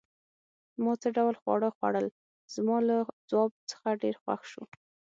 ما څه ډول خواړه خوړل؟ زما له ځواب څخه ډېر خوښ شو.